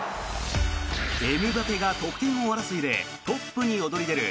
エムバペが得点王争いでトップに躍り出る